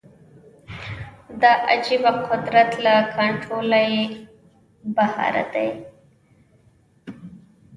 دا عجیبه قدرت له کنټروله یې بهر دی